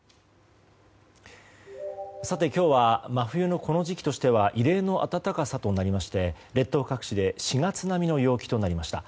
さて、今日は真冬のこの時期としては異例の暖かさとなりまして列島各地で４月並みの陽気となりました。